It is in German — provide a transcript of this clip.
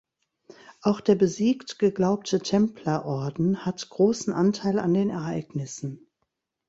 Auch der besiegt geglaubte Templerorden hat großen Anteil an den Ereignissen.